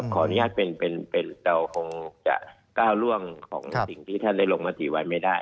ขออนุญาตเป็นเราคงจะก้าวร่วงของสิ่งที่ท่านได้ลงมติไว้ไม่ได้